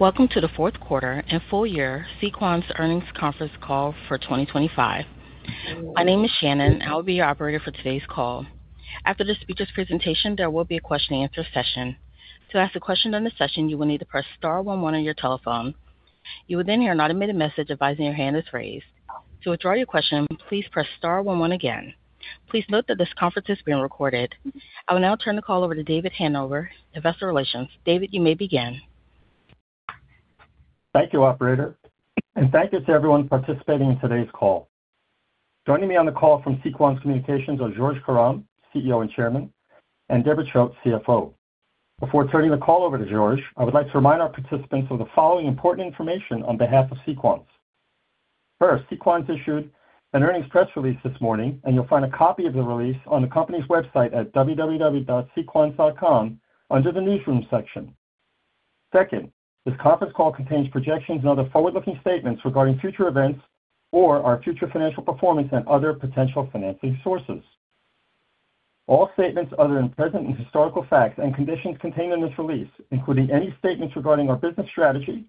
Welcome to the Fourth Quarter and Full-Year Sequans Earnings Conference Call for 2025. My name is Shannon. I will be your operator for today's call. After the speaker's presentation, there will be a question-and-answer session. To ask a question during the session, you will need to press star one one on your telephone. You will then hear an automated message advising your hand is raised. To withdraw your question, please press star one one again. Please note that this conference is being recorded. I will now turn the call over to David Hanover, Investor Relations. David, you may begin. Thank you, operator. Thank you to everyone participating in today's call. Joining me on the call from Sequans Communications are Georges Karam, CEO and Chairman, and Deborah Choate, CFO. Before turning the call over to Georges, I would like to remind our participants of the following important information on behalf of Sequans. First, Sequans issued an earnings press release this morning, and you'll find a copy of the release on the company's website at www.sequans.com under the newsroom section. Second, this conference call contains projections and other forward-looking statements regarding future events or our future financial performance and other potential financing sources. All statements other than present and historical facts and conditions contained in this release, including any statements regarding our business strategy,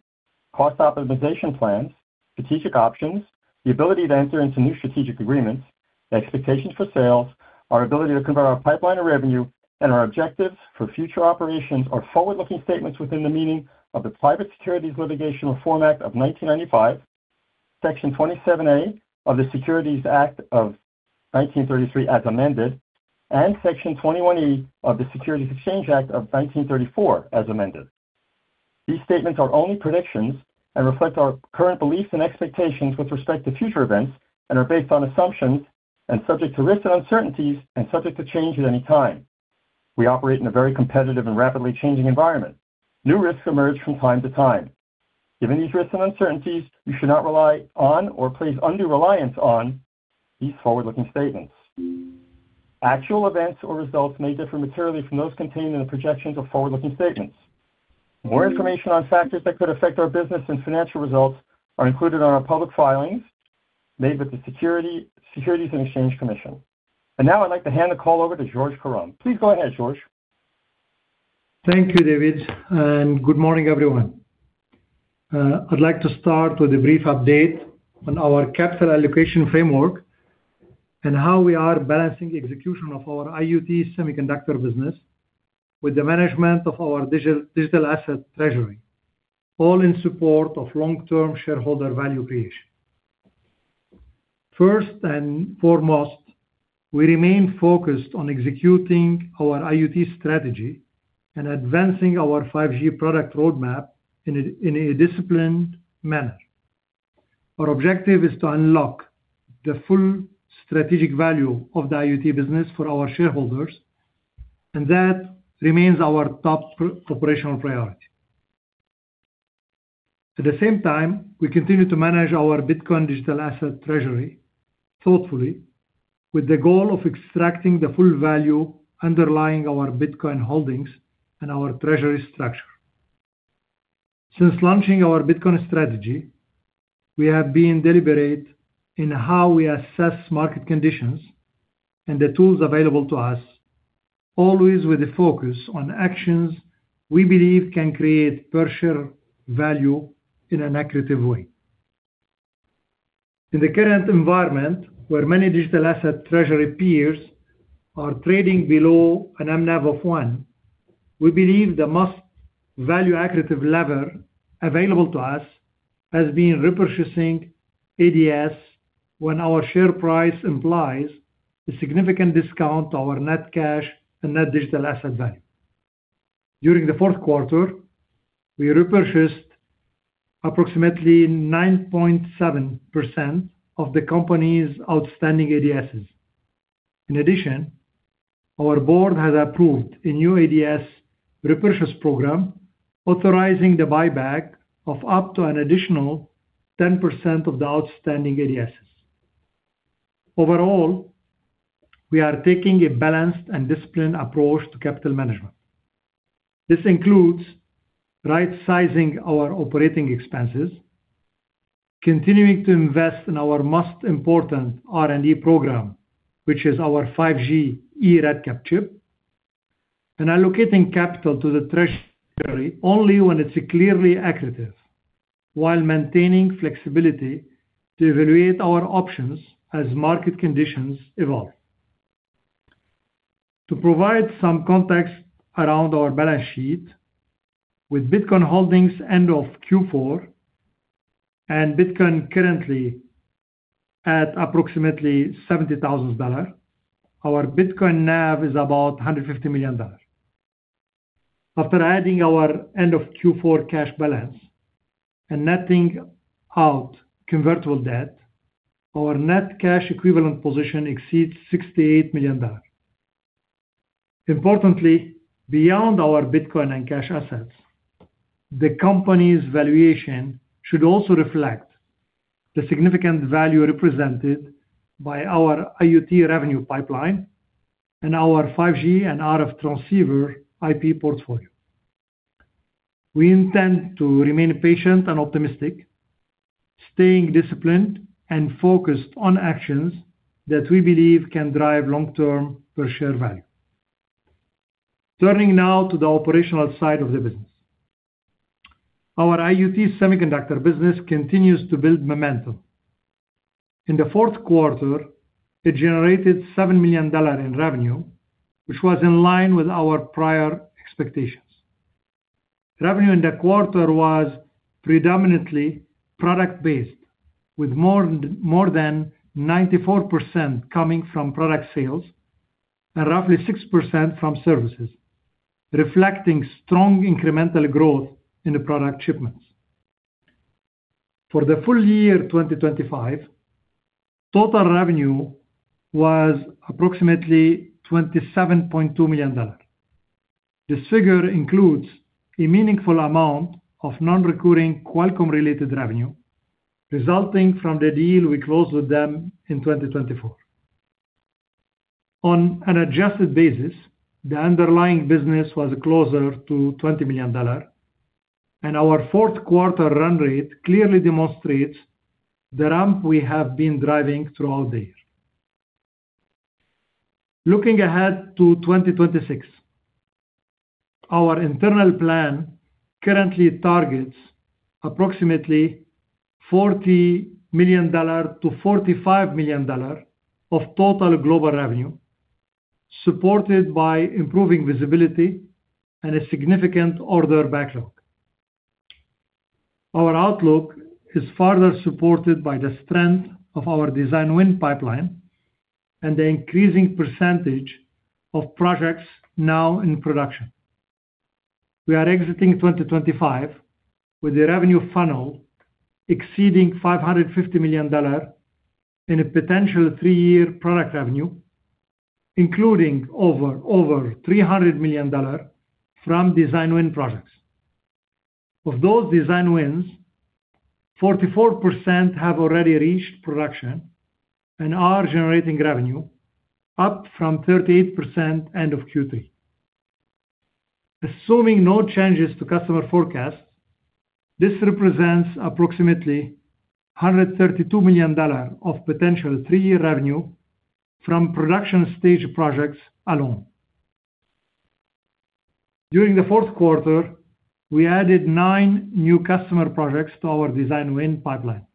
cost optimization plans, strategic options, the ability to enter into new strategic agreements, expectations for sales, our ability to convert our pipeline of revenue, and our objectives for future operations, are forward-looking statements within the meaning of the Private Securities Litigation Reform Act of 1995, Section 27A of the Securities Act of 1933 as amended, and Section 21E of the Securities Exchange Act of 1934 as amended. These statements are only predictions and reflect our current beliefs and expectations with respect to future events and are based on assumptions and subject to risk and uncertainties and subject to change at any time. We operate in a very competitive and rapidly changing environment. New risks emerge from time to time. Given these risks and uncertainties, you should not rely on or place undue reliance on these forward-looking statements. Actual events or results may differ materially from those contained in the projections or forward-looking statements. More information on factors that could affect our business and financial results are included on our public filings made with the Securities and Exchange Commission. Now I'd like to hand the call over to Georges Karam. Please go ahead, Georges. Thank you, David. Good morning, everyone. I'd like to start with a brief update on our capital allocation framework and how we are balancing execution of our IoT semiconductor business with the management of our digital asset treasury, all in support of long-term shareholder value creation. First and foremost, we remain focused on executing our IoT strategy and advancing our 5G product roadmap in a disciplined manner. Our objective is to unlock the full strategic value of the IoT business for our shareholders, and that remains our top operational priority. At the same time, we continue to manage our Bitcoin digital asset treasury thoughtfully with the goal of extracting the full value underlying our Bitcoin holdings and our treasury structure. Since launching our Bitcoin strategy, we have been deliberate in how we assess market conditions and the tools available to us, always with a focus on actions we believe can create per-share value in an accretive way. In the current environment where many digital asset treasury peers are trading below an MNAV of one, we believe the most value accretive lever available to us has been repurchasing ADS when our share price implies a significant discount to our net cash and net digital asset value. During the fourth quarter, we repurchased approximately 9.7% of the company's outstanding ADSs. In addition, our board has approved a new ADS repurchase program authorizing the buyback of up to an additional 10% of the outstanding ADSs. Overall, we are taking a balanced and disciplined approach to capital management. This includes right-sizing our operating expenses, continuing to invest in our most important R&D program, which is our 5G eRedCap chip, and allocating capital to the treasury only when it's clearly accretive while maintaining flexibility to evaluate our options as market conditions evolve. To provide some context around our balance sheet, with Bitcoin holdings end of Q4 and Bitcoin currently at approximately $70,000, our Bitcoin NAV is about $150 million. After adding our end-of-Q4 cash balance and netting out convertible debt, our net cash equivalent position exceeds $68 million. Importantly, beyond our Bitcoin and cash assets, the company's valuation should also reflect the significant value represented by our IoT revenue pipeline and our 5G and RF transceiver IP portfolio. We intend to remain patient and optimistic, staying disciplined and focused on actions that we believe can drive long-term per-share value. Turning now to the operational side of the business. Our IoT semiconductor business continues to build momentum. In the fourth quarter, it generated $7 million in revenue, which was in line with our prior expectations. Revenue in the quarter was predominantly product-based, with more than 94% coming from product sales and roughly 6% from services, reflecting strong incremental growth in the product shipments. For the full year 2025, total revenue was approximately $27.2 million. This figure includes a meaningful amount of non-recurring Qualcomm-related revenue resulting from the deal we closed with them in 2024. On an adjusted basis, the underlying business was closer to $20 million, and our fourth quarter run rate clearly demonstrates the ramp we have been driving throughout the year. Looking ahead to 2026, our internal plan currently targets approximately $40 million-$45 million of total global revenue, supported by improving visibility and a significant order backlog. Our outlook is further supported by the strength of our design win pipeline and the increasing percentage of projects now in production. We are exiting 2025 with the revenue funnel exceeding $550 million in potential three-year product revenue, including over $300 million from design win projects. Of those design wins, 44% have already reached production and are generating revenue, up from 38% end-of-Q3. Assuming no changes to customer forecasts, this represents approximately $132 million of potential three-year revenue from production stage projects alone. During the fourth quarter, we added 9 new customer projects to our design win pipeline,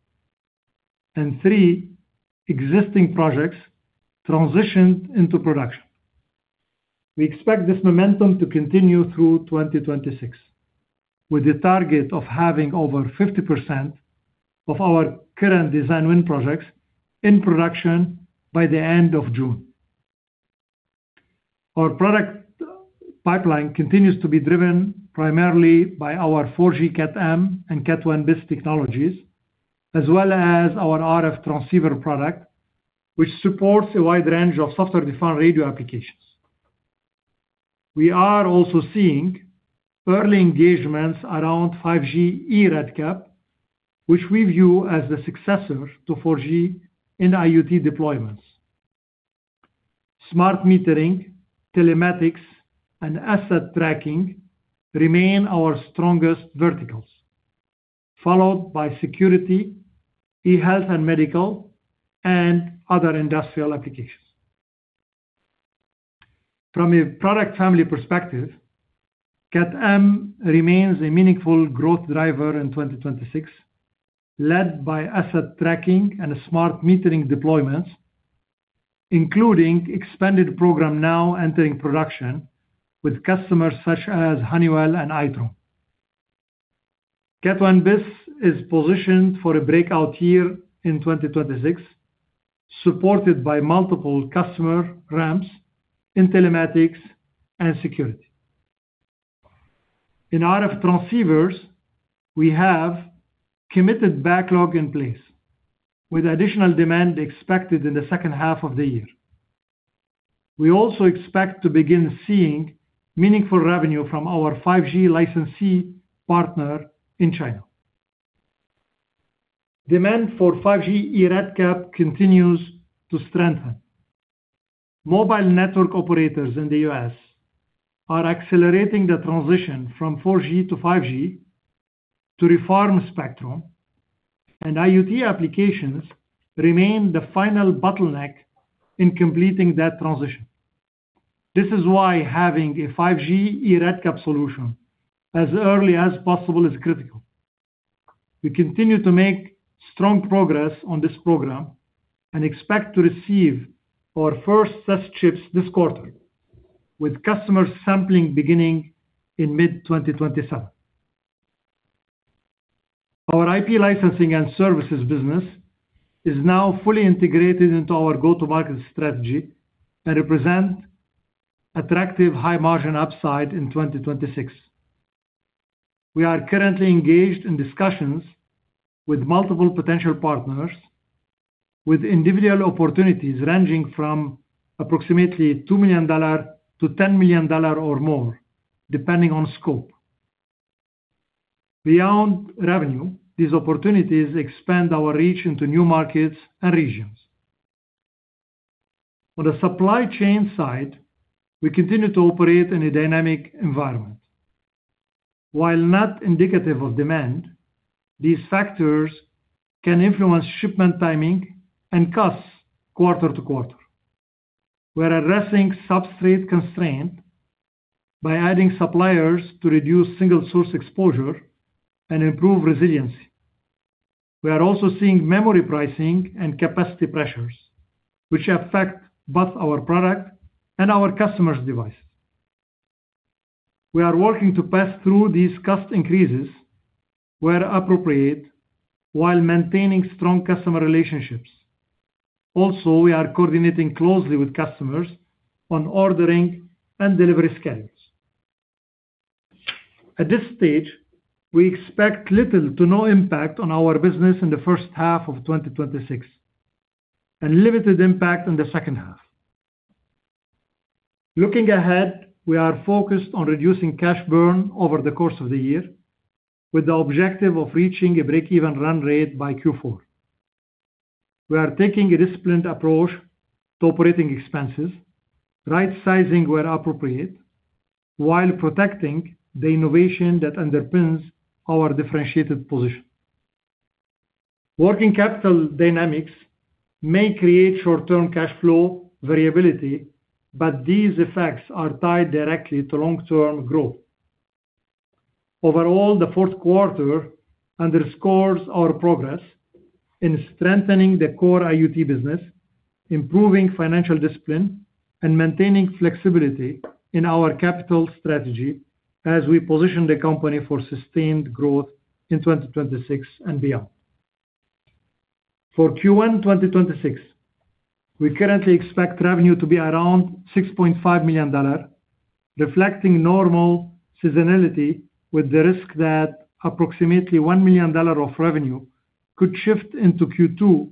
and 3 existing projects transitioned into production. We expect this momentum to continue through 2026, with the target of having over 50% of our current design win projects in production by the end of June. Our product pipeline continues to be driven primarily by our 4G Cat M and Cat 1bis technologies, as well as our RF transceiver product, which supports a wide range of software-defined radio applications. We are also seeing early engagements around 5G eRedCap, which we view as the successor to 4G in IoT deployments. Smart metering, telematics, and asset tracking remain our strongest verticals, followed by security, e-health and medical, and other industrial applications. From a product family perspective, Cat M remains a meaningful growth driver in 2026, led by asset tracking and smart metering deployments, including expanded program now entering production with customers such as Honeywell and Itron. Cat 1bis is positioned for a breakout year in 2026, supported by multiple customer ramps, in telematics, and security. In RF transceivers, we have committed backlog in place, with additional demand expected in the second half of the year. We also expect to begin seeing meaningful revenue from our 5G licensee partner in China. Demand for 5G eRedCap continues to strengthen. Mobile network operators in the U.S. are accelerating the transition from 4G to 5G to reform spectrum, and IoT applications remain the final bottleneck in completing that transition. This is why having a 5G eRedCap solution as early as possible is critical. We continue to make strong progress on this program and expect to receive our first test chips this quarter, with customer sampling beginning in mid-2027. Our IP licensing and services business is now fully integrated into our go-to-market strategy and represents attractive high-margin upside in 2026. We are currently engaged in discussions with multiple potential partners, with individual opportunities ranging from approximately $2 million-$10 million or more, depending on scope. Beyond revenue, these opportunities expand our reach into new markets and regions. On the supply chain side, we continue to operate in a dynamic environment. While not indicative of demand, these factors can influence shipment timing and costs quarter to quarter. We are addressing substrate constraints by adding suppliers to reduce single-source exposure and improve resiliency. We are also seeing memory pricing and capacity pressures, which affect both our product and our customers' devices. We are working to pass through these cost increases where appropriate while maintaining strong customer relationships. Also, we are coordinating closely with customers on ordering and delivery schedules. At this stage, we expect little to no impact on our business in the first half of 2026 and limited impact in the second half. Looking ahead, we are focused on reducing cash burn over the course of the year, with the objective of reaching a breakeven run rate by Q4. We are taking a disciplined approach to operating expenses, right-sizing where appropriate, while protecting the innovation that underpins our differentiated position. Working capital dynamics may create short-term cash flow variability, but these effects are tied directly to long-term growth. Overall, the fourth quarter underscores our progress in strengthening the core IoT business, improving financial discipline, and maintaining flexibility in our capital strategy as we position the company for sustained growth in 2026 and beyond. For Q1 2026, we currently expect revenue to be around $6.5 million, reflecting normal seasonality with the risk that approximately $1 million of revenue could shift into Q2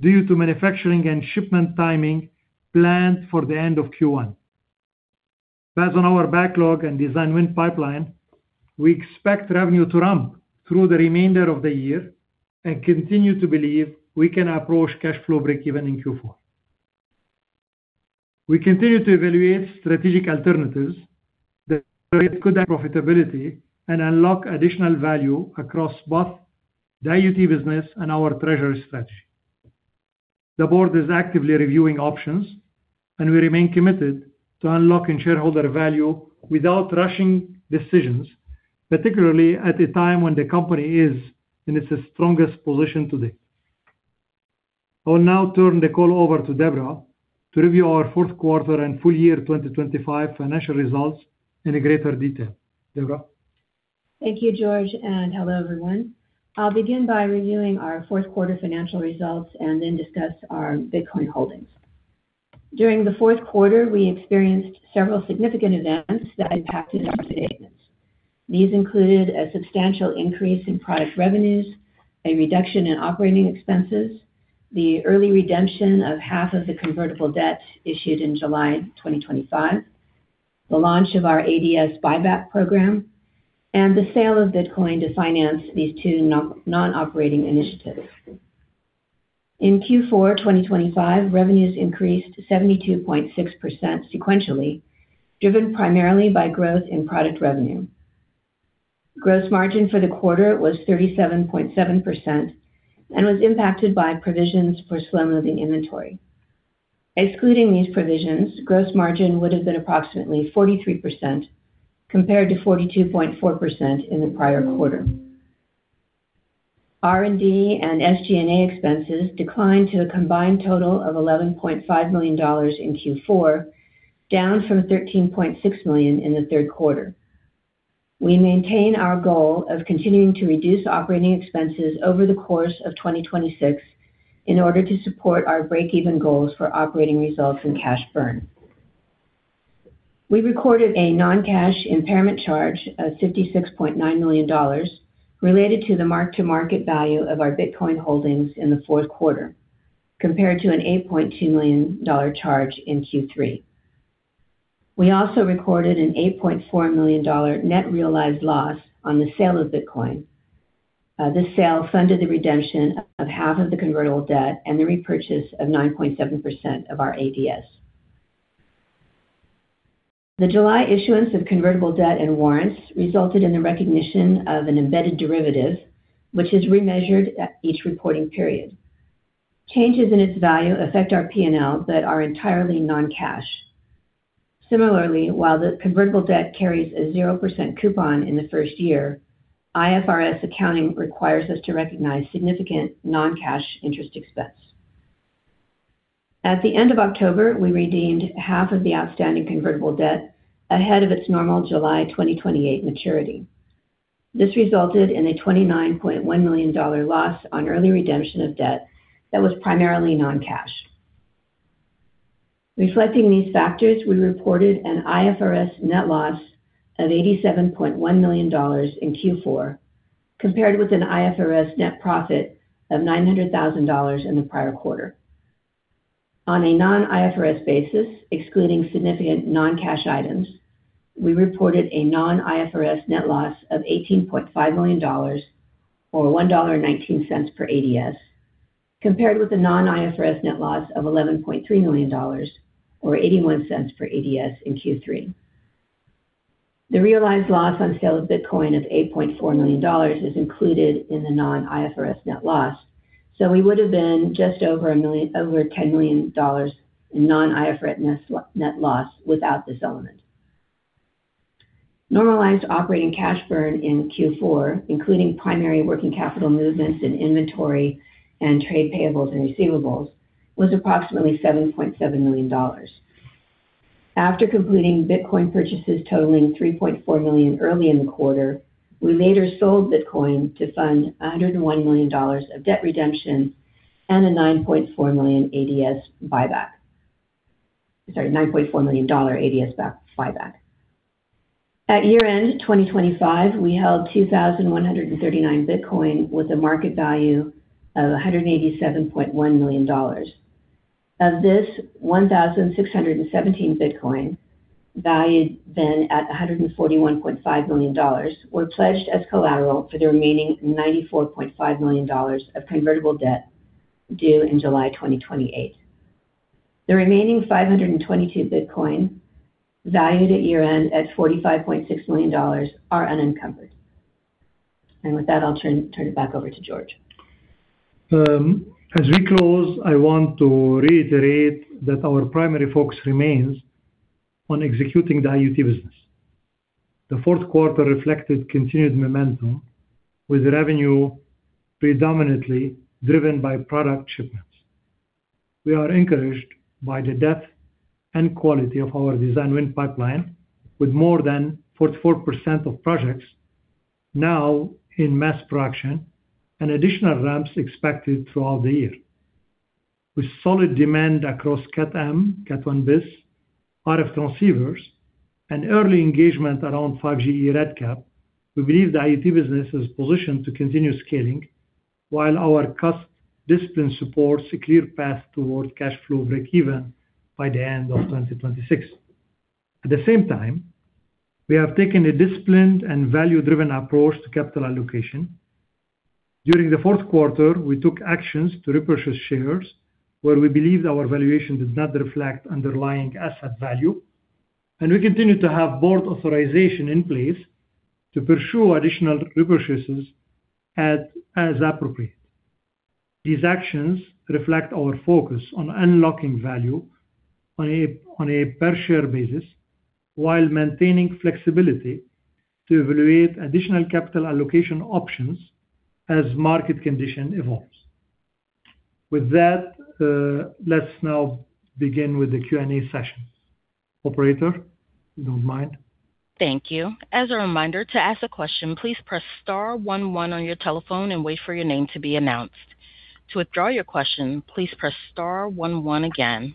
due to manufacturing and shipment timing planned for the end of Q1. Based on our backlog and design win pipeline, we expect revenue to ramp through the remainder of the year and continue to believe we can approach cash flow breakeven in Q4. We continue to evaluate strategic alternatives that could add profitability and unlock additional value across both the IoT business and our treasury strategy. The board is actively reviewing options, and we remain committed to unlocking shareholder value without rushing decisions, particularly at a time when the company is in its strongest position to date. I will now turn the call over to Deborah to review our fourth quarter and full year 2025 financial results in greater detail. Deborah? Thank you, Georges, and hello, everyone. I'll begin by reviewing our fourth quarter financial results and then discuss our Bitcoin holdings. During the fourth quarter, we experienced several significant events that impacted our statements. These included a substantial increase in product revenues, a reduction in operating expenses, the early redemption of half of the convertible debt issued in July 2025, the launch of our ADS buyback program, and the sale of Bitcoin to finance these two non-operating initiatives. In Q4 2025, revenues increased 72.6% sequentially, driven primarily by growth in product revenue. Gross margin for the quarter was 37.7% and was impacted by provisions for slow-moving inventory. Excluding these provisions, gross margin would have been approximately 43% compared to 42.4% in the prior quarter. R&D and SG&A expenses declined to a combined total of $11.5 million in Q4, down from $13.6 million in the third quarter. We maintain our goal of continuing to reduce operating expenses over the course of 2026 in order to support our breakeven goals for operating results and cash burn. We recorded a non-cash impairment charge of $56.9 million related to the mark-to-market value of our Bitcoin holdings in the fourth quarter, compared to an $8.2 million charge in Q3. We also recorded an $8.4 million net realized loss on the sale of Bitcoin. This sale funded the redemption of half of the convertible debt and the repurchase of 9.7% of our ADS. The July issuance of convertible debt and warrants resulted in the recognition of an embedded derivative, which is remeasured at each reporting period. Changes in its value affect our P&L but are entirely non-cash. Similarly, while the convertible debt carries a 0% coupon in the first year, IFRS accounting requires us to recognize significant non-cash interest expense. At the end of October, we redeemed half of the outstanding convertible debt ahead of its normal July 2028 maturity. This resulted in a $29.1 million loss on early redemption of debt that was primarily non-cash. Reflecting these factors, we reported an IFRS net loss of $87.1 million in Q4, compared with an IFRS net profit of $900,000 in the prior quarter. On a non-IFRS basis, excluding significant non-cash items, we reported a non-IFRS net loss of $18.5 million, or $1.19 per ADS, compared with a non-IFRS net loss of $11.3 million, or $0.81 per ADS in Q3. The realized loss on sale of Bitcoin of $8.4 million is included in the non-IFRS net loss, so we would have been just over $10 million in non-IFRS net loss without this element. Normalized operating cash burn in Q4, including primary working capital movements in inventory and trade payables and receivables, was approximately $7.7 million. After completing Bitcoin purchases totaling $3.4 million early in the quarter, we later sold Bitcoin to fund $101 million of debt redemption and a $9.4 million ADS buyback sorry, $9.4 million ADS buyback. At year-end 2025, we held 2,139 Bitcoin with a market value of $187.1 million. Of this, 1,617 Bitcoin valued then at $141.5 million were pledged as collateral for the remaining $94.5 million of convertible debt due in July 2028. The remaining 522 Bitcoin valued at year-end at $45.6 million are unencumbered. And with that, I'll turn it back over to Georges. As we close, I want to reiterate that our primary focus remains on executing the IoT business. The fourth quarter reflected continued momentum, with revenue predominantly driven by product shipments. We are encouraged by the depth and quality of our design win pipeline, with more than 44% of projects now in mass production and additional wins expected throughout the year. With solid demand across Cat M, Cat 1bis, RF transceivers, and early engagement around 5G eRedCap, we believe the IoT business is positioned to continue scaling while our cost discipline supports a clear path toward cash flow breakeven by the end of 2026. At the same time, we have taken a disciplined and value-driven approach to capital allocation. During the fourth quarter, we took actions to repurchase shares where we believed our valuation did not reflect underlying asset value, and we continue to have board authorization in place to pursue additional repurchases as appropriate. These actions reflect our focus on unlocking value on a per-share basis while maintaining flexibility to evaluate additional capital allocation options as market condition evolves. With that, let's now begin with the Q&A session. Operator, if you don't mind. Thank you. As a reminder, to ask a question, please press star one one on your telephone and wait for your name to be announced. To withdraw your question, please press star one one again.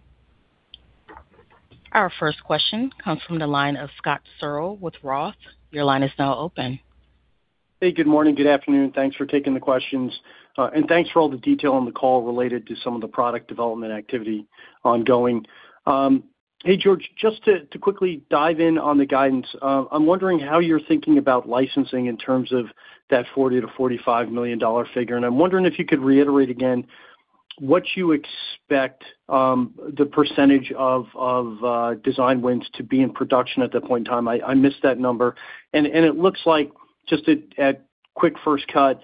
Our first question comes from the line of Scott Searle with Roth. Your line is now open. Hey, good morning. Good afternoon. Thanks for taking the questions. Thanks for all the detail on the call related to some of the product development activity ongoing. Hey, Georges, just to quickly dive in on the guidance, I'm wondering how you're thinking about licensing in terms of that $40 million-$45 million figure. And I'm wondering if you could reiterate again what you expect the percentage of design wins to be in production at that point in time. I missed that number. It looks like, just at a quick first cut,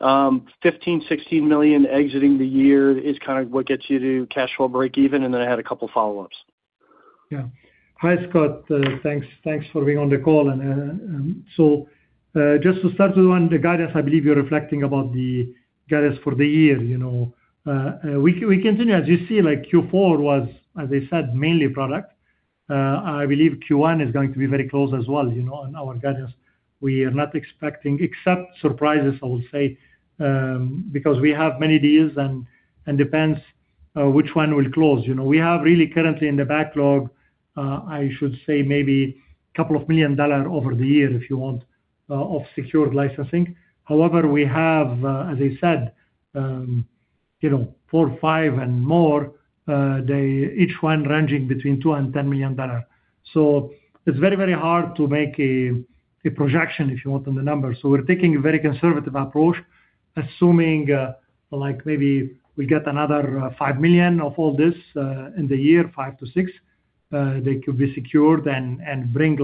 $15 million-$16 million exiting the year is kind of what gets you to cash flow breakeven. Then I had a couple of follow-ups. Yeah. Hi, Scott. Thanks for being on the call. So just to start with the guidance, I believe you're reflecting about the guidance for the year. We continue. As you see, Q4 was, as I said, mainly product. I believe Q1 is going to be very close as well on our guidance. We are not expecting except surprises, I will say, because we have many deals and depends which one will close. We have really currently in the backlog, I should say, maybe a couple of million dollars over the year, if you want, of secured licensing. However, we have, as I said, four, five, and more, each one ranging between $2 million and $10 million. So it's very, very hard to make a projection, if you want, on the number. So we're taking a very conservative approach, assuming maybe we get another $5 million of all this in the year, five to six, that could be secured and bring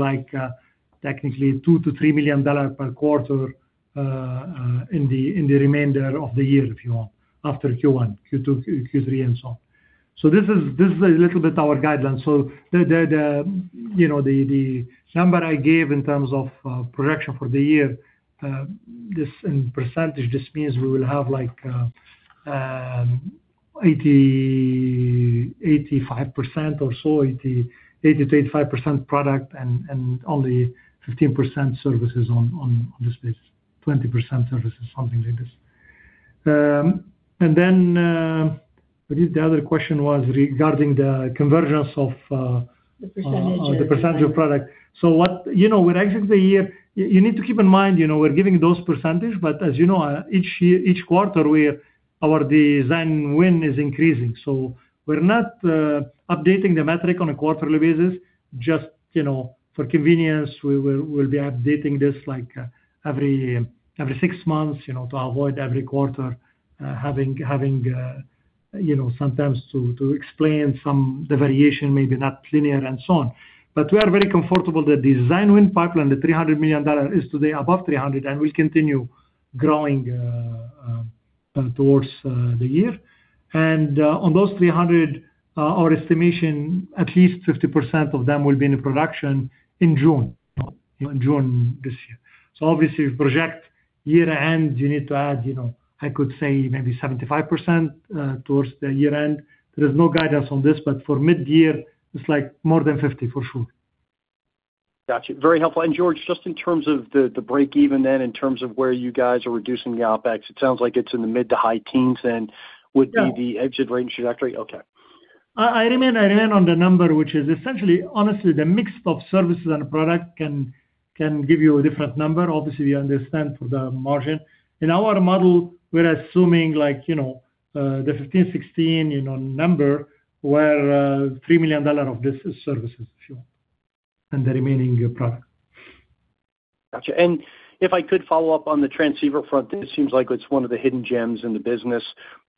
technically $2 million-$3 million per quarter in the remainder of the year, if you want, after Q1, Q2, Q3, and so on. So this is a little bit our guideline. So the number I gave in terms of projection for the year, in percentage, this means we will have 85% or so, 80%-85% product and only 15% services on this basis, 20% services, something like this. And then I believe the other question was regarding the convergence of. The percentage of product. So when we exit the year, you need to keep in mind we're giving those percentages. But as you know, each quarter, our design win is increasing. So we're not updating the metric on a quarterly basis. Just for convenience, we'll be updating this every six months to avoid every quarter having sometimes to explain the variation, maybe not linear, and so on. But we are very comfortable that the design win pipeline, the $300 million is today above 300, and we'll continue growing towards the year. And on those 300, our estimation, at least 50% of them will be in production in June, in June this year. So obviously, if you project year-end, you need to add, I could say, maybe 75% towards the year-end. There is no guidance on this. But for mid-year, it's more than 50 for sure. Gotcha. Very helpful. And Georges, just in terms of the breakeven then, in terms of where you guys are reducing the OpEx, it sounds like it's in the mid- to high-teens then would be the exit rate and trajectory. Okay. I remain on the number, which is essentially, honestly, the mix of services and product can give you a different number. Obviously, we understand for the margin. In our model, we're assuming the 15, 16 number where $3 million of this is services, if you want, and the remaining product. Gotcha. And if I could follow up on the transceiver front, this seems like it's one of the hidden gems in the business.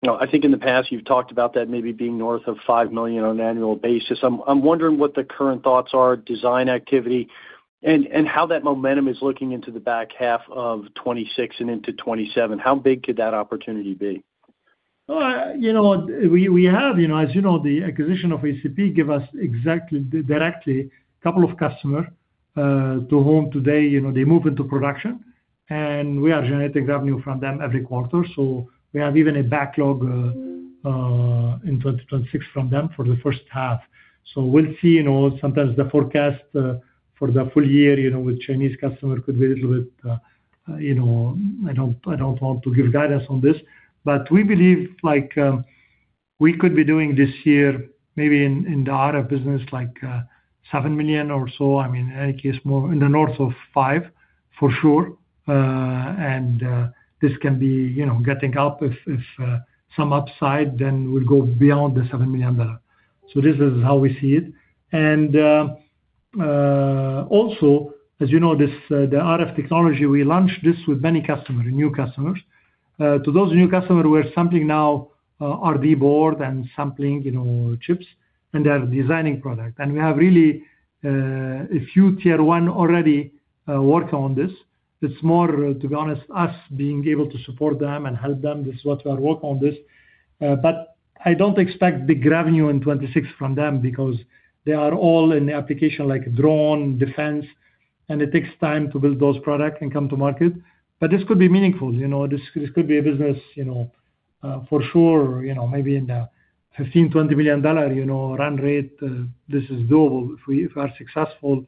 I think in the past, you've talked about that maybe being north of $5 million on an annual basis. I'm wondering what the current thoughts are, design activity, and how that momentum is looking into the back half of 2026 and into 2027. How big could that opportunity be? Well, we have. As you know, the acquisition of ACP gave us directly a couple of customers to whom today they move into production. And we are generating revenue from them every quarter. So we have even a backlog in 2026 from them for the first half. So we'll see. Sometimes the forecast for the full year with Chinese customers could be a little bit I don't want to give guidance on this. But we believe we could be doing this year, maybe in the RF business, $7 million or so. I mean, in any case, more in the north of $5 million for sure. And this can be getting up. If some upside, then we'll go beyond the $7 million. So this is how we see it. And also, as you know, the RF technology, we launched this with many customers, new customers. To those new customers, we're sampling now R&D board and sampling chips, and they are designing product. And we have really a few tier one already working on this. It's more, to be honest, us being able to support them and help them. This is what we are working on this. But I don't expect big revenue in 2026 from them because they are all in the application, like drone, defense. And it takes time to build those products and come to market. But this could be meaningful. This could be a business for sure, maybe in the $15 million-$20 million run rate. This is doable if we are successful,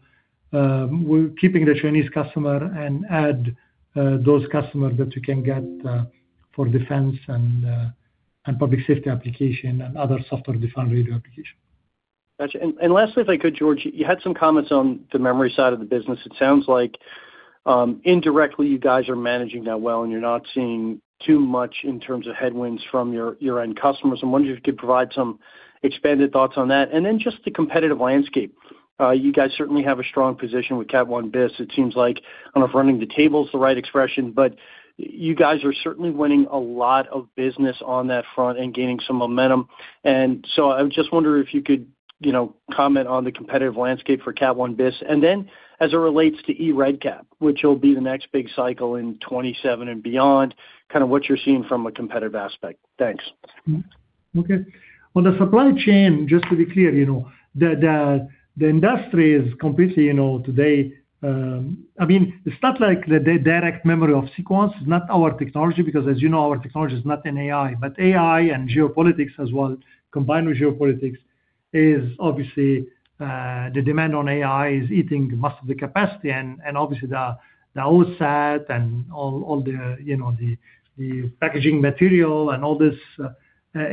keeping the Chinese customer and add those customers that we can get for defense and public safety application and other software defined radio application. Gotcha. And lastly, if I could, Georges, you had some comments on the memory side of the business. It sounds like indirectly, you guys are managing that well, and you're not seeing too much in terms of headwinds from your end customers. I'm wondering if you could provide some expanded thoughts on that. And then just the competitive landscape, you guys certainly have a strong position with Cat 1bis. It seems like, I don't know if running the table is the right expression, but you guys are certainly winning a lot of business on that front and gaining some momentum. And so I just wonder if you could comment on the competitive landscape for Cat 1bis. And then as it relates to eRedCap, which will be the next big cycle in 2027 and beyond, kind of what you're seeing from a competitive aspect. Thanks. Okay. On the supply chain, just to be clear, the industry is completely today. I mean, it's not like the direct memory of Sequans. It's not our technology because, as you know, our technology is not in AI. But AI and geopolitics as well, combined with geopolitics, is obviously the demand on AI is eating most of the capacity. And obviously, the OSAT and all the packaging material and all this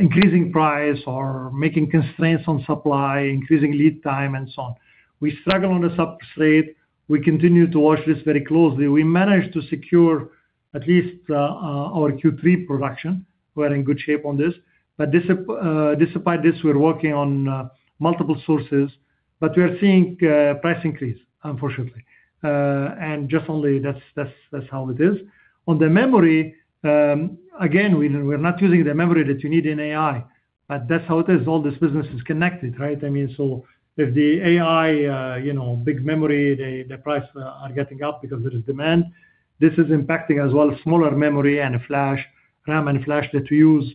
increasing price or making constraints on supply, increasing lead time, and so on. We struggle on the substrate rates. We continue to watch this very closely. We managed to secure at least our Q3 production. We are in good shape on this. But despite this, we're working on multiple sources. But we are seeing price increase, unfortunately. And just only that's how it is. On the memory, again, we're not using the memory that you need in AI. But that's how it is. All this business is connected, right? I mean, so if the AI, big memory, the price are getting up because there is demand, this is impacting as well smaller memory and a flash, RAM and flash that we use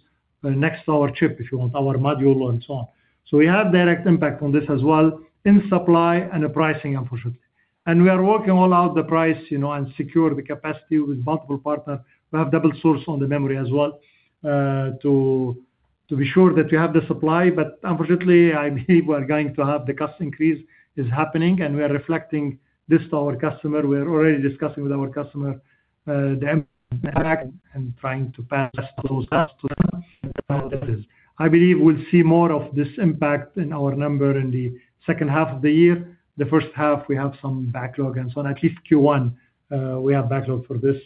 next to our chip, if you want, our module and so on. So we have direct impact on this as well in supply and the pricing, unfortunately. And we are working all out the price and secure the capacity with multiple partners. We have double source on the memory as well to be sure that we have the supply. But unfortunately, I believe we are going to have the cost increase is happening. We are reflecting this to our customer. We are already discussing with our customer the impact and trying to pass those costs to them. That's how it is. I believe we'll see more of this impact in our number in the second half of the year. The first half, we have some backlog and so on. At least Q1, we have backlog for this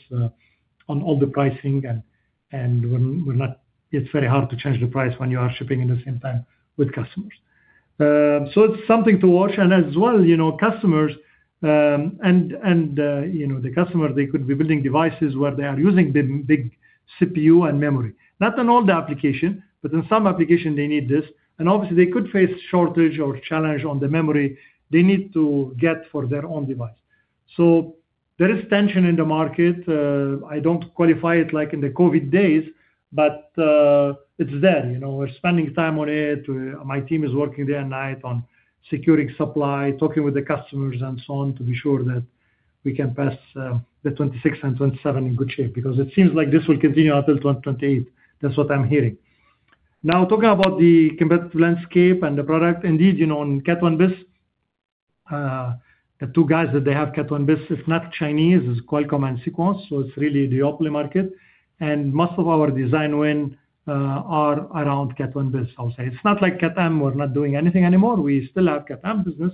on all the pricing. And it's very hard to change the price when you are shipping at the same time with customers. So it's something to watch. And as well, customers and the customers, they could be building devices where they are using big CPU and memory, not in all the application, but in some application, they need this. And obviously, they could face shortage or challenge on the memory they need to get for their own device. So there is tension in the market. I don't qualify it like in the COVID days, but it's there. We're spending time on it. My team is working day and night on securing supply, talking with the customers, and so on to be sure that we can pass the 2026 and 2027 in good shape because it seems like this will continue until 2028. That's what I'm hearing. Now, talking about the competitive landscape and the product, indeed, on Cat 1bis, the two guys that they have, Cat 1bis, it's not Chinese. It's Qualcomm and Sequans. So it's really the duopoly market. And most of our design wins are around Cat 1bis, I would say. It's not like Cat M. We're not doing anything anymore. We still have Cat M business.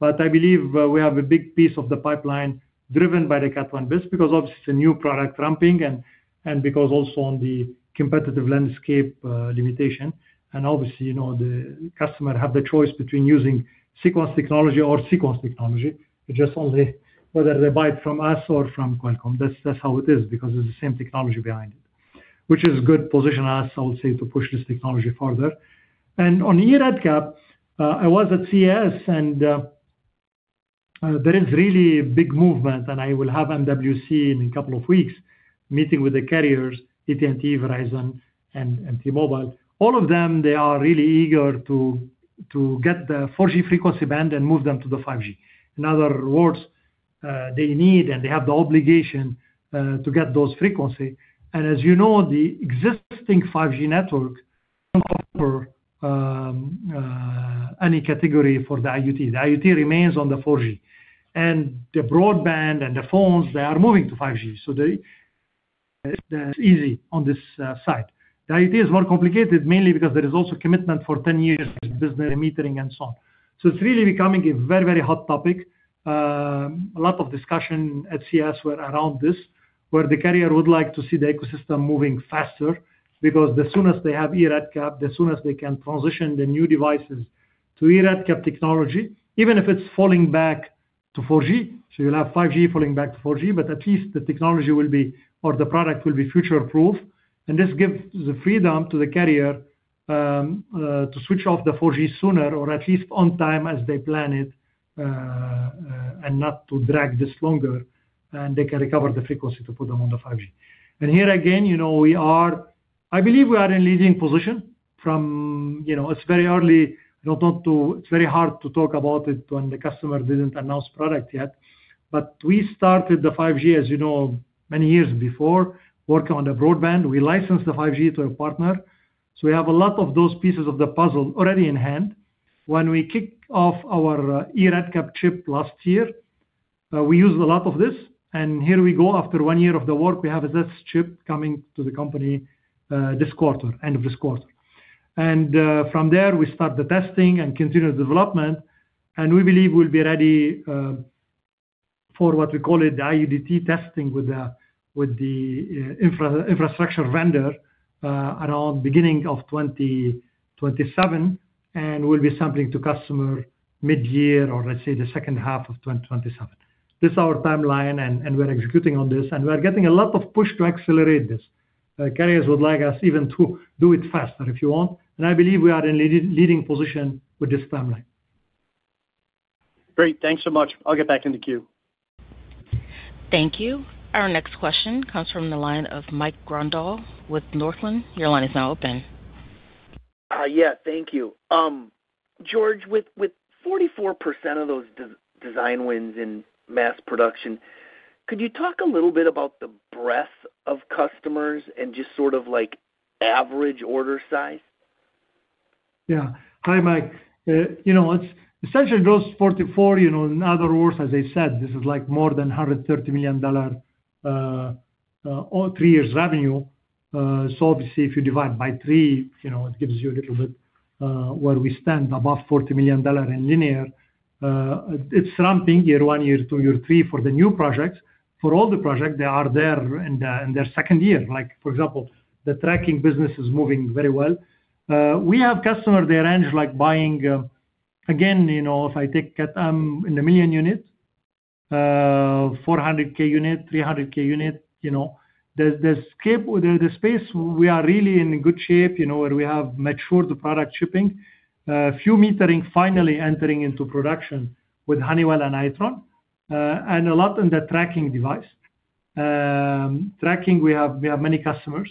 But I believe we have a big piece of the pipeline driven by the Cat 1bis because, obviously, it's a new product ramping and because also on the competitive landscape limitation. And obviously, the customer have the choice between using Sequans technology or Sequans technology, just only whether they buy it from us or from Qualcomm. That's how it is because it's the same technology behind it, which is good position us, I would say, to push this technology further. And on eRedCap, I was at CES. And there is really big movement. And I will have MWC in a couple of weeks meeting with the carriers, AT&T, Verizon, and T-Mobile. All of them, they are really eager to get the 4G frequency band and move them to the 5G. In other words, they need and they have the obligation to get those frequency. And as you know, the existing 5G network don't offer any category for the IoT. The IoT remains on the 4G. And the broadband and the phones, they are moving to 5G. So it's easy on this side. The IoT is more complicated, mainly because there is also commitment for 10 years business. Remetering and so on. So it's really becoming a very, very hot topic. A lot of discussion at CES were around this, where the carrier would like to see the ecosystem moving faster because the soonest they have eRedCap, the soonest they can transition the new devices to eRedCap technology, even if it's falling back to 4G. So you'll have 5G falling back to 4G. But at least the technology will be or the product will be future-proof. This gives the freedom to the carrier to switch off the 4G sooner or at least on time as they plan it and not to drag this longer. They can recover the frequency to put them on the 5G. Here again, we are, I believe, in a leading position. It's very early. I don't want to. It's very hard to talk about it when the customer didn't announce product yet. We started the 5G, as you know, many years before, working on the broadband. We licensed the 5G to a partner. So we have a lot of those pieces of the puzzle already in hand. When we kick off our eRedCap chip last year, we used a lot of this. Here we go. After one year of the work, we have a test chip coming to the company this quarter, end of this quarter. From there, we start the testing and continue the development. We believe we'll be ready for what we call it the IoDT testing with the infrastructure vendor around beginning of 2027. We'll be sampling to customer mid-year or, let's say, the second half of 2027. This is our timeline. We're executing on this. We are getting a lot of push to accelerate this. Carriers would like us even to do it faster, if you want. I believe we are in leading position with this timeline. Great. Thanks so much. I'll get back in the queue. Thank you. Our next question comes from the line of Mike Grondahl with Northland. Your line is now open. Yeah. Thank you. Georges, with 44% of those design wins in mass production, could you talk a little bit about the breadth of customers and just sort of average order size? Yeah. Hi, Mike. Essentially, those 44, in other words, as I said, this is more than $130 million three years revenue. So obviously, if you divide by three, it gives you a little bit where we stand, above $40 million in linear. It's ramping year one, year two, year three for the new projects. For all the projects, they are there in their second year. For example, the tracking business is moving very well. We have customers, they range buying again, if I take Cat M, in the million unit, 400,000 unit, 300,000 unit. The space, we are really in good shape where we have matured the product shipping, few metering finally entering into production with Honeywell and Itron, and a lot in the tracking device. Tracking, we have many customers.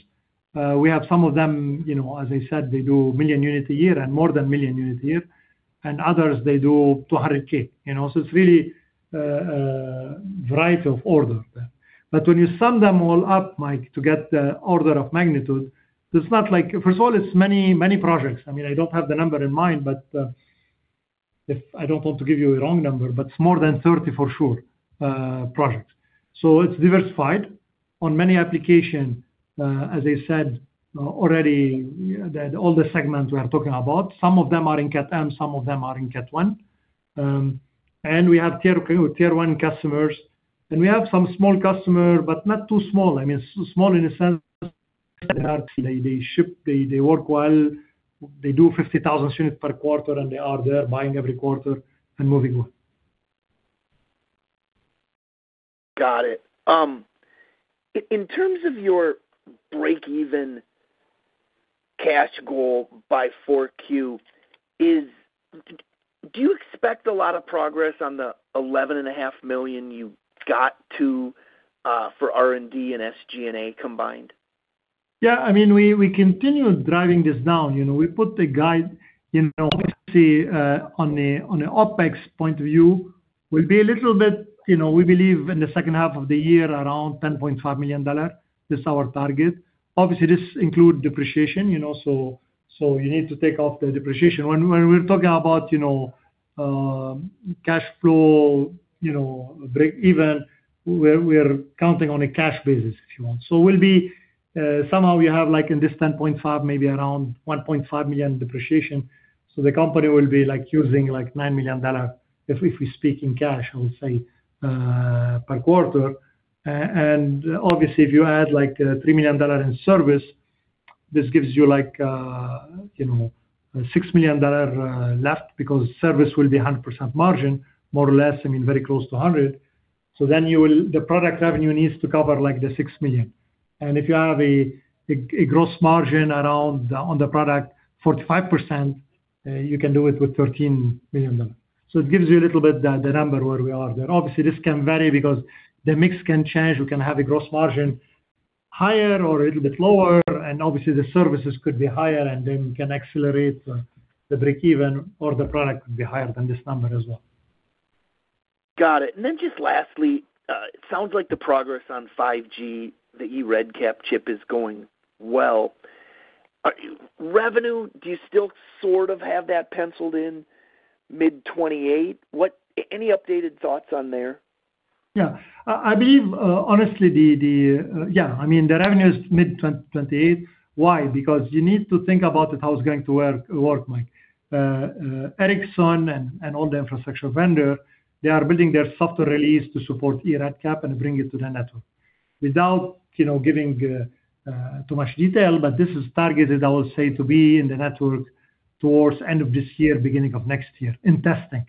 We have some of them, as I said, they do one million units a year and more than one million units a year. And others, they do 200K. So it's really a variety of order there. But when you sum them all up, Mike, to get the order of magnitude, first of all, it's many projects. I mean, I don't have the number in mind, but I don't want to give you a wrong number, but it's more than 30 for sure projects. So it's diversified on many applications, as I said, already all the segments we are talking about. Some of them are in Cat M. Some of them are in Cat 1. We have tier one customers. We have some small customer, but not too small. I mean, small in the sense that they work well. They do 50,000 units per quarter, and they are there buying every quarter and moving on. Got it. In terms of your break-even cash goal by 4Q, do you expect a lot of progress on the $11.5 million you got to for R&D and SG&A combined? Yeah. I mean, we continue driving this down. We put the guide obviously, on the OpEx point of view, will be a little bit we believe in the second half of the year, around $10.5 million. This is our target. Obviously, this includes depreciation. So you need to take off the depreciation. When we're talking about cash flow break-even, we're counting on a cash basis, if you want. So somehow, you have in this $10.5 million, maybe around $1.5 million depreciation. So the company will be using $9 million, if we speak in cash, I would say, per quarter. And obviously, if you add $3 million in service, this gives you $6 million left because service will be 100% margin, more or less, I mean, very close to 100%. So then the product revenue needs to cover the $6 million. And if you have a gross margin around on the product, 45%, you can do it with $13 million. So it gives you a little bit the number where we are there. Obviously, this can vary because the mix can change. We can have a gross margin higher or a little bit lower. And obviously, the services could be higher. And then we can accelerate the break-even, or the product could be higher than this number as well. Got it. Then just lastly, it sounds like the progress on 5G, the eRedCap chip, is going well. Revenue, do you still sort of have that penciled in mid-2028? Any updated thoughts on there? Yeah. I believe, honestly, yeah. I mean, the revenue is mid-2028. Why? Because you need to think about it how it's going to work, Mike. Ericsson and all the infrastructure vendor, they are building their software release to support eRedCap and bring it to the network without giving too much detail. But this is targeted, I would say, to be in the network towards end of this year, beginning of next year in testing.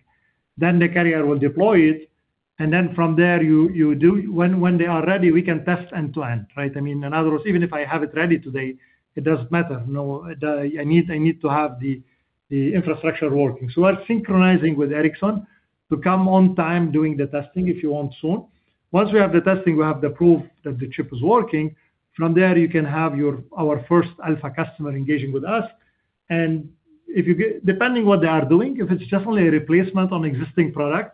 Then the carrier will deploy it. And then from there, when they are ready, we can test end-to-end, right? I mean, in other words, even if I have it ready today, it doesn't matter. I need to have the infrastructure working. So we are synchronizing with Ericsson to come on time doing the testing, if you want, soon. Once we have the testing, we have the proof that the chip is working. From there, you can have our first alpha customer engaging with us. And depending on what they are doing, if it's just only a replacement on existing product,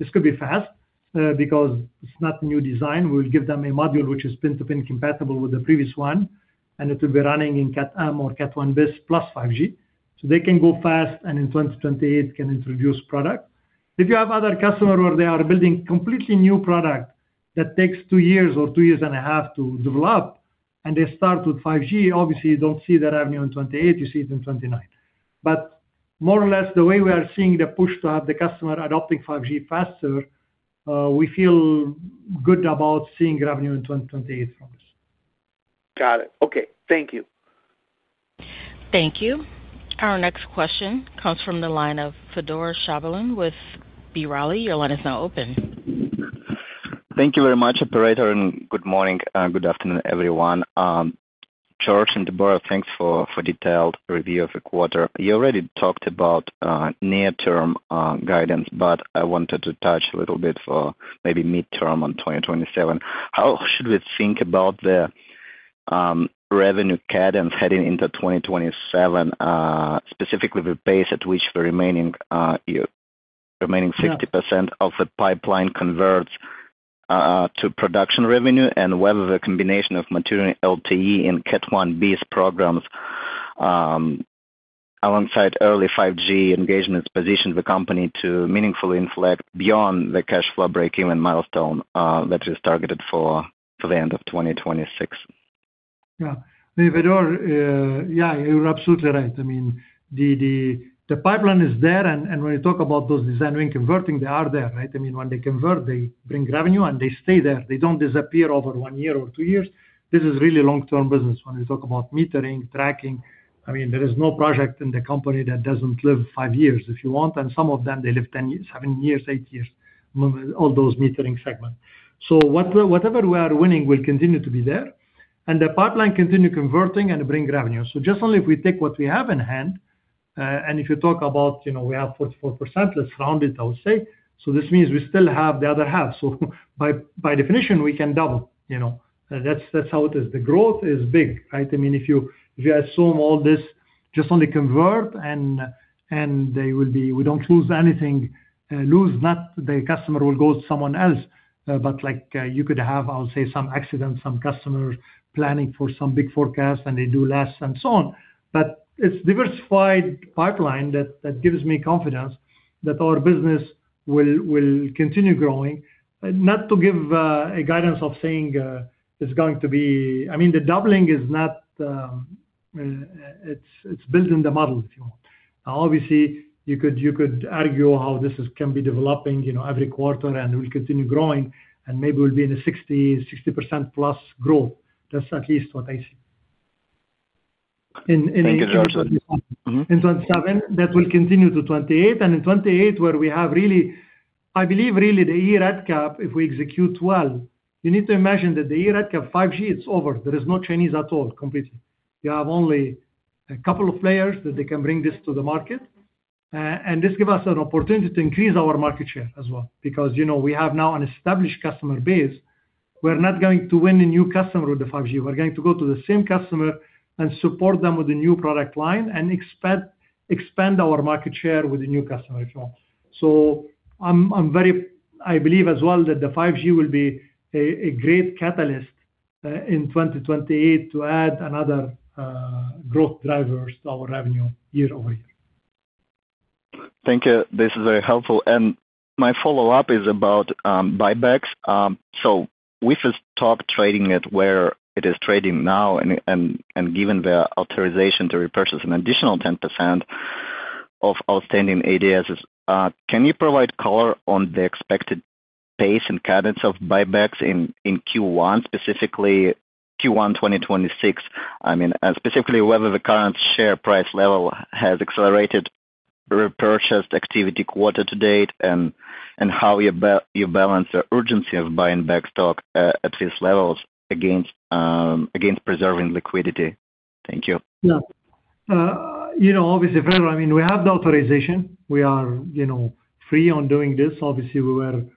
this could be fast because it's not a new design. We will give them a module which is pin-to-pin compatible with the previous one. And it will be running in Cat M or Cat 1bis plus 5G. So they can go fast and in 2028 can introduce product. If you have other customers where they are building completely new product that takes two years or two years and a half to develop, and they start with 5G, obviously, you don't see the revenue in 2028. You see it in 2029. But more or less, the way we are seeing the push to have the customer adopting 5G faster, we feel good about seeing revenue in 2028 from this. Got it. Okay. Thank you. Thank you. Our next question comes from the line of Fedor Shabalin with B. Riley. Your line is now open. Thank you very much, operator, and good morning. Good afternoon, everyone. Georges and Deborah, thanks for detailed review of the quarter. You already talked about near-term guidance, but I wanted to touch a little bit for maybe mid-term on 2027. How should we think about the revenue cadence heading into 2027, specifically the pace at which the remaining 60% of the pipeline converts to production revenue and whether the combination of material LTE-M, Cat 1bis programs alongside early 5G engagement positions the company to meaningfully inflect beyond the cash flow break-even milestone that is targeted for the end of 2026? Yeah. Fedor, yeah, you're absolutely right. I mean, the pipeline is there. And when you talk about those design win converting, they are there, right? I mean, when they convert, they bring revenue, and they stay there. They don't disappear over one year or two years. This is really long-term business. When we talk about metering, tracking, I mean, there is no project in the company that doesn't live five years, if you want. And some of them, they live seven years, eight years, all those metering segments. So whatever we are winning will continue to be there. And the pipeline continue converting and bring revenue. So just only if we take what we have in hand and if you talk about we have 44%, let's round it, I would say. So this means we still have the other half. So by definition, we can double. That's how it is. The growth is big, right? I mean, if you assume all this just only convert, and they will be we don't lose anything. The customer will go to someone else. But you could have, I would say, some accidents, some customers planning for some big forecast, and they do less and so on. But it's a diversified pipeline that gives me confidence that our business will continue growing, not to give a guidance of saying it's going to be I mean, the doubling is not it's built in the model, if you want. Now, obviously, you could argue how this can be developing every quarter, and it will continue growing. And maybe we'll be in a 60%+ growth. That's at least what I see in 2027. Thank you, Georges. That will continue to 2028. And in 2028, where we have really I believe, really, the eRedCap, if we execute well, you need to imagine that the eRedCap 5G, it's over. There is no Chinese at all, completely. You have only a couple of players that they can bring this to the market. This gives us an opportunity to increase our market share as well because we have now an established customer base. We're not going to win a new customer with the 5G. We're going to go to the same customer and support them with a new product line and expand our market share with a new customer, if you want. So I believe as well that the 5G will be a great catalyst in 2028 to add another growth drivers to our revenue year-over-year. Thank you. This is very helpful. My follow-up is about buybacks. So with this stock trading at where it is trading now and given the authorization to repurchase an additional 10% of outstanding ADSs, can you provide color on the expected pace and cadence of buybacks in Q1, specifically Q1 2026? I mean, specifically, whether the current share price level has accelerated repurchased activity quarter to date and how you balance the urgency of buying back stock at these levels against preserving liquidity. Thank you. Yeah. Obviously, Fedor, I mean, we have the authorization. We are free on doing this. Obviously, when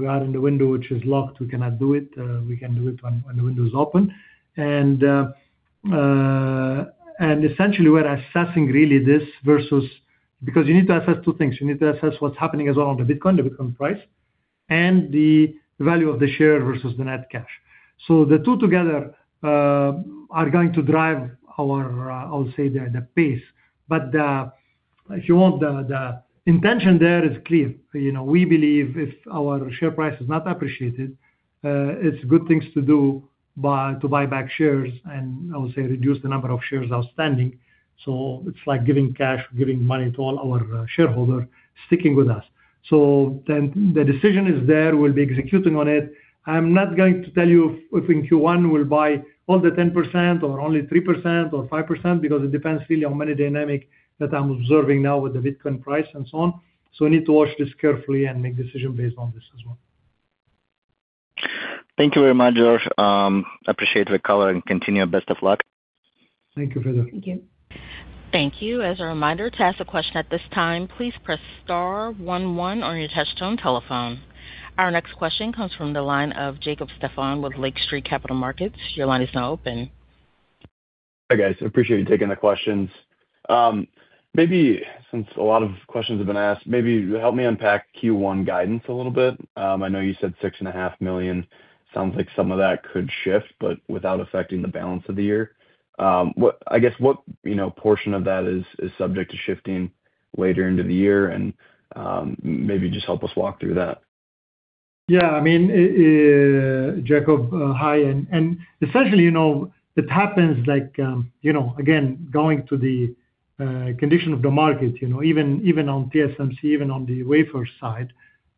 we are in the window, which is locked, we cannot do it. We can do it when the window is open. And essentially, we're assessing, really, this versus because you need to assess two things. You need to assess what's happening as well on the Bitcoin, the Bitcoin price, and the value of the share versus the net cash. So the two together are going to drive, I would say, the pace. But if you want, the intention there is clear. We believe if our share price is not appreciated, it's good things to do to buy back shares and, I would say, reduce the number of shares outstanding. So it's like giving cash, giving money to all our shareholders, sticking with us. So then the decision is there. We'll be executing on it. I'm not going to tell you if in Q1 we'll buy all the 10% or only 3% or 5% because it depends, really, on many dynamics that I'm observing now with the Bitcoin price and so on. So we need to watch this carefully and make decisions based on this as well. Thank you very much, Georges. I appreciate the color. And continue your best of luck. Thank you, Fedor. Thank you. Thank you. As a reminder, to ask a question at this time, please press star one one on your touch-tone telephone. Our next question comes from the line of Jacob Stephan with Lake Street Capital Markets. Your line is now open. Hi, guys. Appreciate you taking the questions. Since a lot of questions have been asked, maybe help me unpack Q1 guidance a little bit. I know you said $6.5 million. Sounds like some of that could shift, but without affecting the balance of the year. I guess, what portion of that is subject to shifting later into the year? And maybe just help us walk through that. Yeah. I mean, Jacob, hi. And essentially, it happens, again, going to the condition of the market, even on TSMC, even on the wafer side.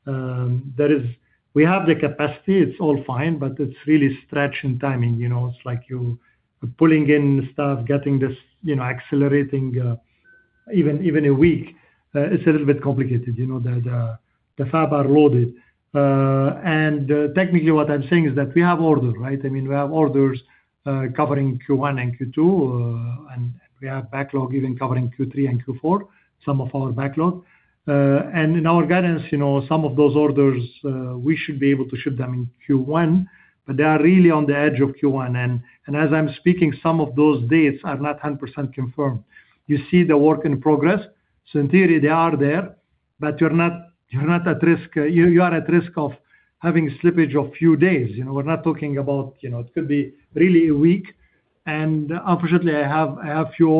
We have the capacity. It's all fine. But it's really stretch in timing. It's like you're pulling in stuff, accelerating even a week. It's a little bit complicated. The fabs are loaded. Technically, what I'm saying is that we have order, right? I mean, we have orders covering Q1 and Q2. And we have backlog even covering Q3 and Q4, some of our backlog. And in our guidance, some of those orders, we should be able to ship them in Q1. But they are really on the edge of Q1. And as I'm speaking, some of those dates are not 100% confirmed. You see the work in progress. So in theory, they are there. But you're not at risk you are at risk of having slippage of few days. We're not talking about it could be really a week. And unfortunately, I have a few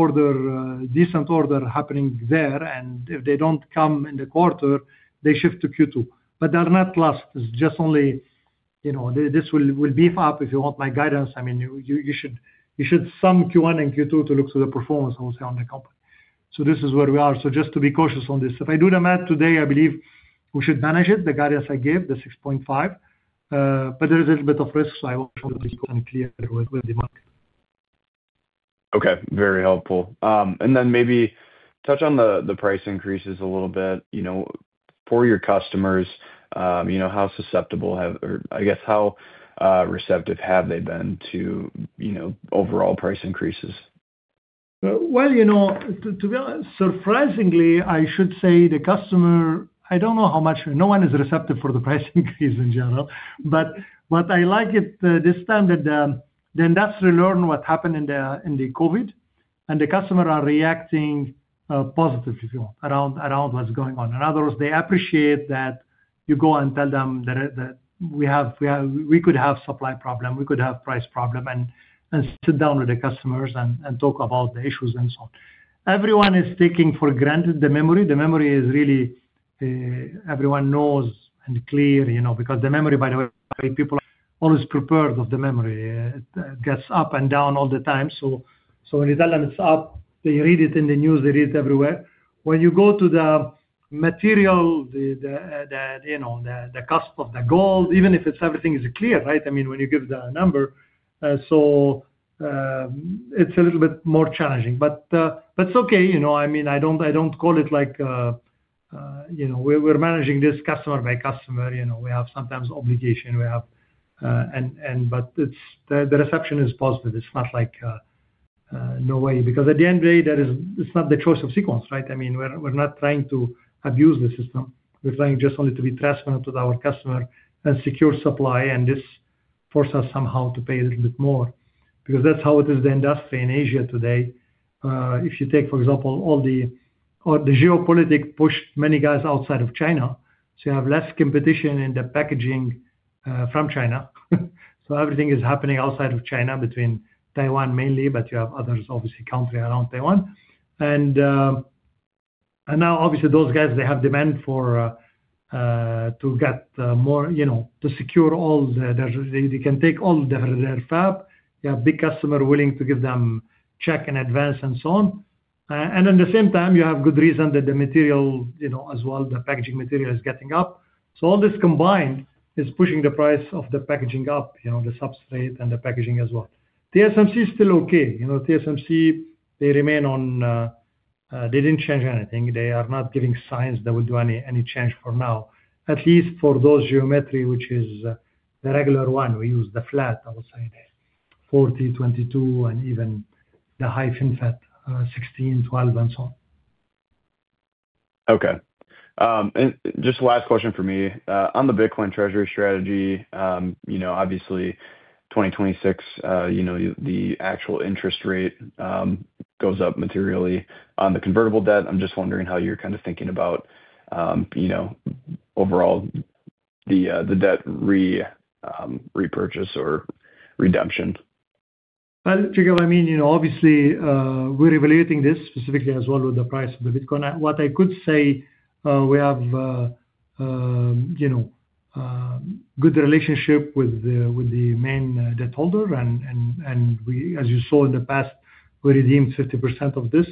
decent orders happening there. And if they don't come in the quarter, they shift to Q2. But they're not lost. It's just only this will beef up, if you want, my guidance. I mean, you should sum Q1 and Q2 to look to the performance, I would say, on the company. So this is where we are. So just to be cautious on this. If I do the math today, I believe we should manage it, the guidance I gave, the $6.5. But there is a little bit of risk. So I want to be clear with the market. Okay. Very helpful. And then maybe touch on the price increases a little bit. For your customers, how susceptible have or I guess, how receptive have they been to overall price increases? Well, to be honest, surprisingly, I should say the customer I don't know how much no one is receptive for the price increase in general. But what I like this time, the industry learned what happened in the COVID. And the customers are reacting positive, if you want, around what's going on. In other words, they appreciate that you go and tell them that we could have a supply problem. We could have a price problem. And sit down with the customers and talk about the issues and so on. Everyone is taking for granted the memory. The memory is really everyone knows and clear because the memory, by the way, people are always prepared for the memory. It gets up and down all the time. So when you tell them it's up, they read it in the news. They read it everywhere. When you go to the material, the cost of the gold, even if everything is clear, right? I mean, when you give the number, so it's a little bit more challenging. But it's okay. I mean, I don't call it like we're managing this customer by customer. We have sometimes obligation. But the reception is positive. It's not like no way because at the end of the day, it's not the choice of Sequans, right? I mean, we're not trying to abuse the system. We're trying just only to be transparent with our customer and secure supply. And this forces us somehow to pay a little bit more because that's how it is in the industry in Asia today. If you take, for example, all the geopolitics pushed many guys outside of China. So you have less competition in the packaging from China. So everything is happening outside of China between Taiwan, mainly. But you have others, obviously, countries around Taiwan. And now, obviously, those guys, they have demand to get more to secure all their they can take all their fab. You have a big customer willing to give them check in advance and so on. At the same time, you have good reason that the material as well, the packaging material is getting up. So all this combined is pushing the price of the packaging up, the substrate and the packaging as well. TSMC is still okay. TSMC, they remain on they didn't change anything. They are not giving signs that we'll do any change for now, at least for those geometry, which is the regular one. We use the flat, I would say, 40, 22, and even the high FinFET, 16, 12, and so on. Okay. Just last question for me. On the Bitcoin treasury strategy, obviously, 2026, the actual interest rate goes up materially. On the convertible debt, I'm just wondering how you're kind of thinking about overall the debt repurchase or redemption. Well, Jacob, I mean, obviously, we're evaluating this specifically as well with the price of the Bitcoin. What I could say, we have a good relationship with the main debt holder. And as you saw in the past, we redeemed 50% of this.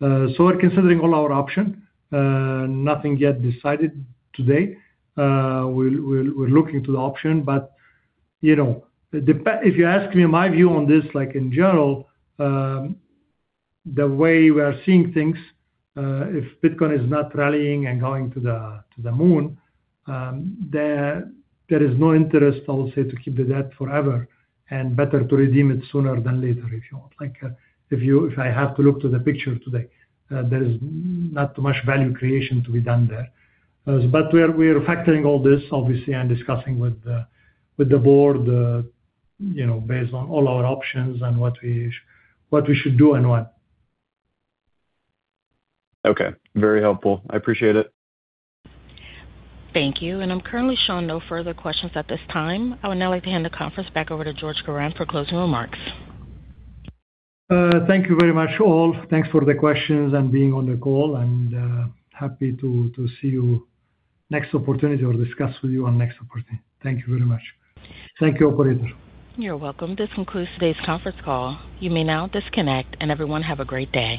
So we're considering all our options. Nothing yet decided today. We're looking to the option. But if you ask me my view on this in general, the way we are seeing things, if Bitcoin is not rallying and going to the moon, there is no interest, I would say, to keep the debt forever and better to redeem it sooner than later, if you want. If I have to look to the picture today, there is not too much value creation to be done there. But we're factoring all this, obviously, and discussing with the board based on all our options and what we should do and when. Okay. Very helpful. I appreciate it. Thank you. And I'm currently showing no further questions at this time. I would now like to hand the conference back over to Georges Karam for closing remarks. Thank you very much all. Thanks for the questions and being on the call. And happy to see you next opportunity or discuss with you on next opportunity. Thank you very much. Thank you, operator. You're welcome. This concludes today's conference call. You may now disconnect. And everyone, have a great day.